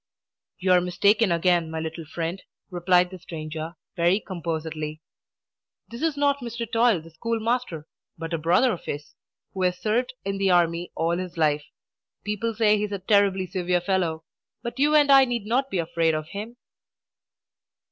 "You are mistaken again, my little friend," replied the stranger, very composedly. "This is not Mr. Toil, the schoolmaster, but a brother of his, who has served in the army all his life. People say he's a terribly severe fellow; but you and I need not be afraid of him."